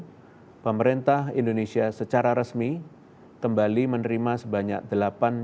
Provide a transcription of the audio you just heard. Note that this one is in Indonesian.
kedua pemerintah indonesia secara resmi kembali menerima sebanyak delapan juta covid sembilan belas